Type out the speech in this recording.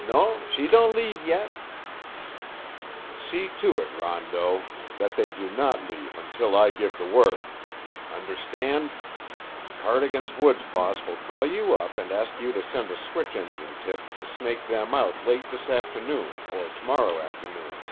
"No, she don't leave yet." "See to it, Rondeau, that they do not leave until I give the word. Understand? Cardigan's woods boss will call you up and ask you to send a switch engine tip to snake them out late this afternoon or to morrow afternoon.